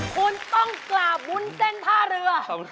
คุณต้องกราบวุ้นเส้นท่าเรือ